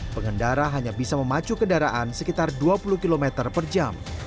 pengendara hanya bisa memacu kendaraan sekitar dua puluh km per jam